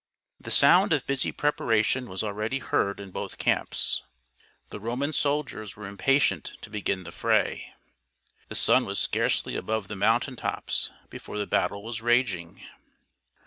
The sound of busy preparation was already heard in both camps. The Roman soldiers were impatient to begin the fray. The sun was scarcely above the mountain tops before the battle was raging.